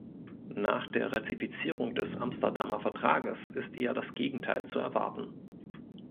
Nach der Ratifizierung des Amsterdamer Vertrages ist eher das Gegenteil zu erwarten.